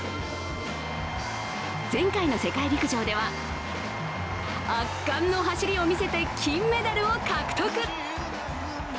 前回の世界陸上では圧巻の走りを見せて金メダルを獲得。